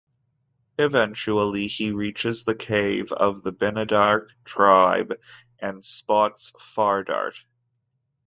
Eventually he reaches the cave of the Binadrak tribe and spots Fardart.